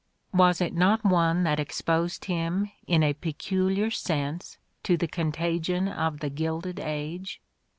Was it not one that exposed him, in a peculiar sense, to the contagion of the Gilded Age